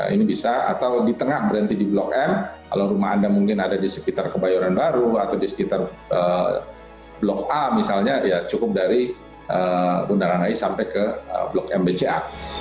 ini bisa atau di tengah berhenti di blok m kalau rumah anda mungkin ada di sekitar kebayoran baru atau di sekitar blok a misalnya ya cukup dari bundaran hi sampai ke blok mbca